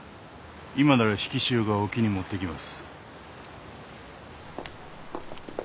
今なら引き潮が沖に持っていきます。